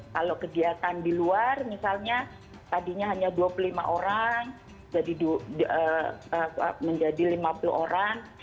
kalau kegiatan di luar misalnya tadinya hanya dua puluh lima orang jadi menjadi lima puluh orang